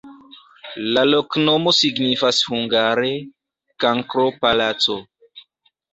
La loknomo signifas hungare: kankro-palaco.